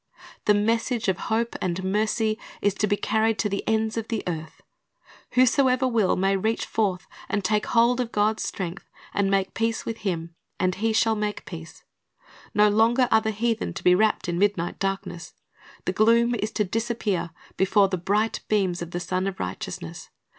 The message of hope and mercy is to be carried to the ends of the earth. Whosoever will, may reach forth and take hold of God's strength and make peace with Him, and he shall make peace. No longer are the heathen to be wrapped in midnight darkness. The gloom is to disappear before the bright beams of the Sun of Righteousness.